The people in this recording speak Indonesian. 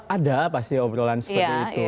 ada pasti obrolan seperti itu